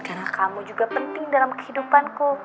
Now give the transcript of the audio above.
karena kamu juga penting dalam kehidupanku